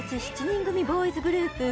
７人組ボーイズグループ８